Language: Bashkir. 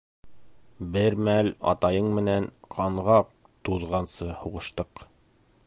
Бер мәл атайың менән ҡанға туҙғансы һуғыштыҡ.